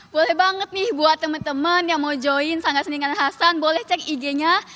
boleh banget nih buat temen temen yang mau join sanggar seningan hasan boleh cek ig nya